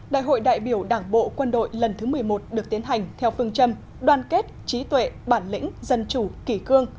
đại hội đại biểu đảng bộ quân đội lần thứ một mươi một được tiến hành theo phương châm đoàn kết trí tuệ bản lĩnh dân chủ kỷ cương